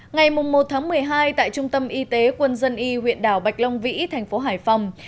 ngày một một mươi hai tại trung tâm y tế quân dân y huyện đảo bạch long vĩ thành phố hải phòng